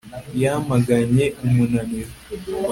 Yamaganye umunaniro